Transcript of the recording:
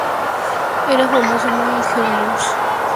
Era famoso, muy generoso, ayudaba mucho a los pobres.